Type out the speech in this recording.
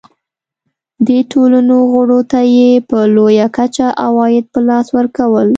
دې ټولنو غړو ته یې په لویه کچه عواید په لاس ورکول.